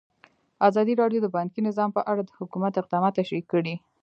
ازادي راډیو د بانکي نظام په اړه د حکومت اقدامات تشریح کړي.